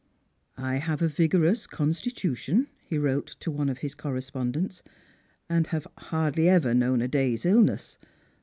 " I have a vigorous constitution," he wrote to one of his cor respondents, " and have hardly ever known a day's illness.